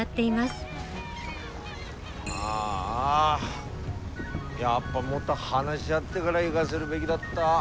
ああやっぱもっと話し合ってがら行がせるべきだった。